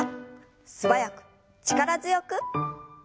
素早く力強く。